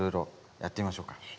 やってみましょうか。